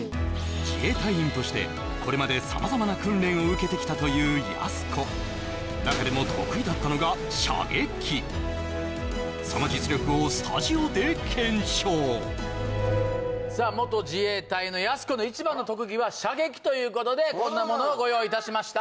自衛隊員としてこれまで様々な訓練を受けてきたというやす子中でも得意だったのが射撃その実力をスタジオで検証さあ元自衛隊のやす子の一番の特技は射撃ということでこんなものをご用意いたしました